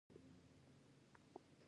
کوم بوټي د شینې سرې لپاره وکاروم؟